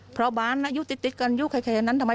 เขาบอกหมดเลยว่า